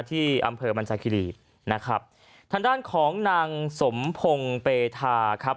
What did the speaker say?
ที่อำเภอบรรจาคิรีนะครับทางด้านของนางสมพงศ์เปธาครับ